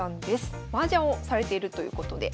マージャンをされているということで。